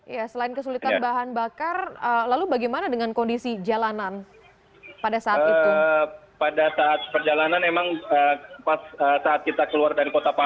mereka menggunakan mobil darialan solar di china